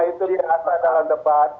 itu diasa dalam debat